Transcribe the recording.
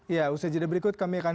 ya usai jeda berikut kami akan